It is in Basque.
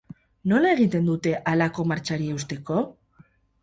Nola egiten dute halako martxari eusteko?